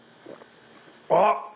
あっ。